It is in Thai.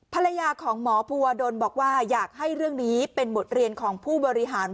ภรรยาของหมอภูวดลบอกว่าอยากให้เรื่องนี้เป็นบทเรียนของผู้บริหาร